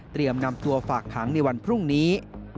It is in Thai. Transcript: เตรียมนำตัวฝากหางในวันพรุ่งนี้